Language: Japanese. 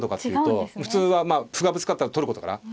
歩がぶつかったら取ることから。